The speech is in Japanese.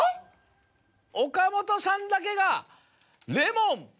岡本さんだけがレモン。